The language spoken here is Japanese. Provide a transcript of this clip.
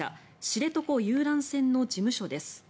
知床遊覧船の事務所です。